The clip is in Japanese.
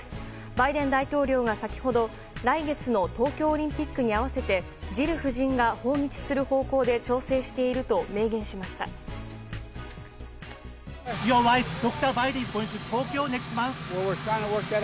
バイデン大統領が先ほど、来月の東京オリンピックに合わせてジル夫人が訪日する方向で調整していると明言しました。